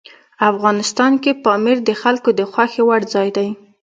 افغانستان کې پامیر د خلکو د خوښې وړ ځای دی.